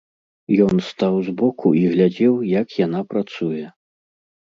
Ён стаў збоку і глядзеў, як яна працуе.